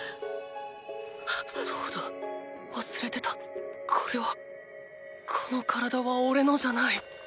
そうだ忘れてたこれはこの体はおれのじゃない！